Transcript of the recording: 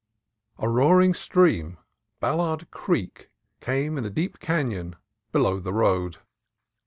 A roaring stream, Ballard Creek, ran in a deep canon below the road.